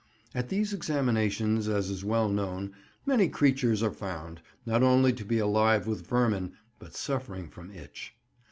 At these examinations, as is well known, many creatures are found, not only to be alive with vermin, but suffering from itch.